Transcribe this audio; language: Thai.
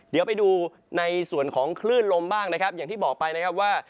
เดี๋ยวไปดูในส่วนของคลื่นลมบ้างนะครับอย่างที่บอกไปนะครับว่า